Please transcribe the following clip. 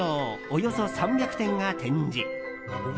およそ３００点が展示。